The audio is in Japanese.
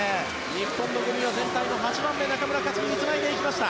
日本の五味は全体の８番目で中村克につないでいきました。